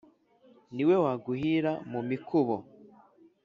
Ni we waguhira mu mikubo,